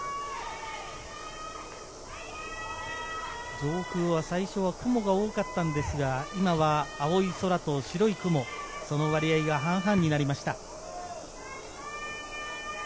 上空は最初は雲が多かったんですが、今は青い空と白い雲、その割合が半々になりました。